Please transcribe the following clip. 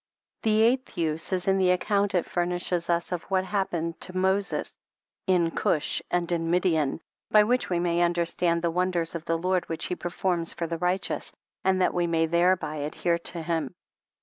The eighth use is in the account it furnishes us of what happened to Moses in Gush and in Midian, by which we may understand the wonders of the Lord which he performs for the righteous, and that we may thereby adhere to him.